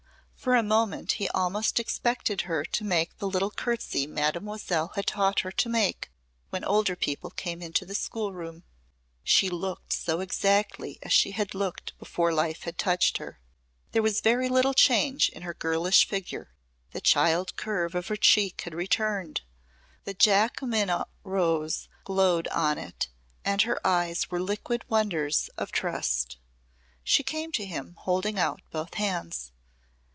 For a moment he almost expected her to make the little curtsey Mademoiselle had taught her to make when older people came into the schoolroom. She looked so exactly as she had looked before life had touched her. There was very little change in her girlish figure; the child curve of her cheek had returned; the Jacqueminot rose glowed on it and her eyes were liquid wonders of trust. She came to him holding out both hands.